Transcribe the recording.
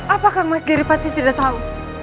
apakah mas geri pati tidak tahu